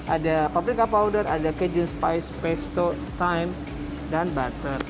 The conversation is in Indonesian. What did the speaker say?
ada paprika powder ada cajun spice pesto thyme dan butter